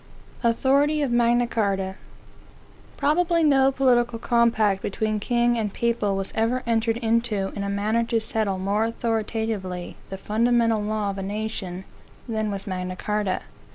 AUTHORITY OF MAGNA CARTA PROBABLY no political compact between king and people was ever entered into in a manner to settle more authoritatively the fundamental law of a nation, than was Magna Carta.